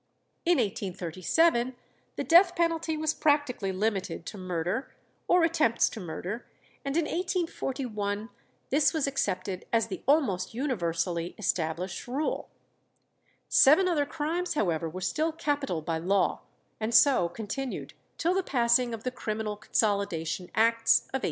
In 1837 the death penalty was practically limited to murder or attempts to murder, and in 1841 this was accepted as the almost universally established rule. Seven other crimes, however, were still capital by law, and so continued till the passing of the Criminal Consolidation Acts of 1861.